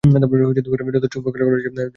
যথেষ্ট উপকার করেছেন, আর কত?